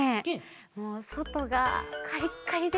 もうそとがカリッカリで。